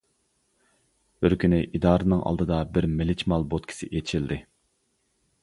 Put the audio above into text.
بىر كۈنى ئىدارىنىڭ ئالدىدا بىر مىلىچ مال بوتكىسى ئېچىلدى.